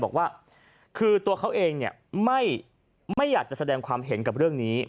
บอกว่าคือตัวเขาเองไม่อยากจะแสดงความเห็นกับเรื่องนี้